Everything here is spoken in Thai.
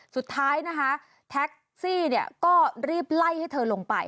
สุดท้ายแท็กซี่ก็รีบไล่ให้เธอลงไป